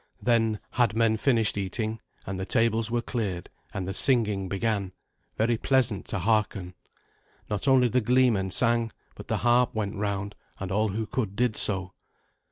Then had men finished eating, and the tables were cleared, and the singing began, very pleasant to hearken. Not only the gleemen sang, but the harp went round, and all who could did so.